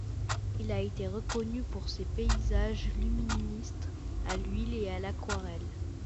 Il a été reconnu pour ses paysages luministes à l'huile et à l'aquarelle.